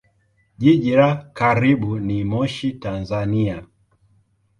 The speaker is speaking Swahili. Jiji la karibu ni Moshi, Tanzania.